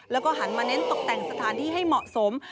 แล้วก็หันมาเน้นตกแต่งสถานที่ให้เหมาะสม